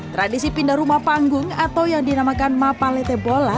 tradisi pindah rumah panggung atau yang dinamakan mapalete bola